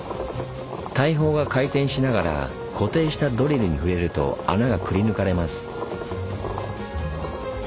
大砲が回転しながら固定したドリルに触れると穴がくりぬかれます。